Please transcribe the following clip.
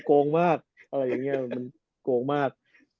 กลงกลงวันทูกลงมาก